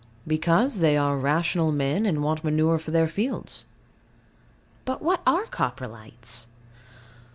Because they are rational men, and want manure for their fields. But what are Coprolites?